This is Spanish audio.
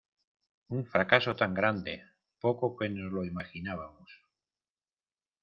Un fracaso tan grande poco que nos lo imaginábamos.